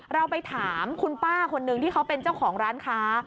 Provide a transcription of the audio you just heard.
เราไปถามคุณป้าคนนึงที่เขาเป็นเจ้าของร้านค้า